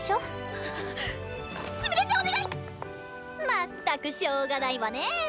まったくしょうがないわねえ。